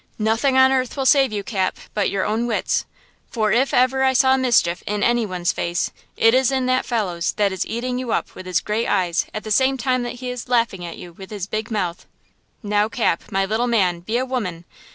Nothing on earth will save you, Cap, but your own wits! For if ever I saw mischief in any one's face, it is in that fellow's that is eating you up with his great eyes at the same time that he is laughing at you with his big mouth! Now, Cap, my little man, be a woman!